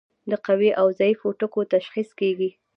د قوي او ضعیفو ټکو تشخیص کیږي.